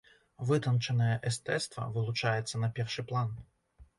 Вытанчанае эстэцтва вылучаецца на першы план.